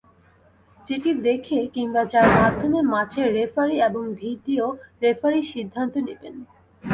যেটি দেখে কিংবা যার মাধ্যমে মাঠের রেফারি এবং ভিডিও রেফারি সিদ্ধান্ত নিবেন।